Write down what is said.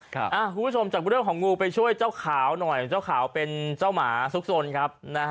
คุณผู้ชมจากเรื่องของงูไปช่วยเจ้าขาวหน่อยเจ้าขาวเป็นเจ้าหมาซุกสนครับ